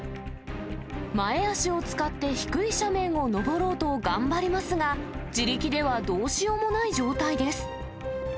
前足を使って低い斜面を登ろうと頑張りますが、自力ではどうしようもない状態です。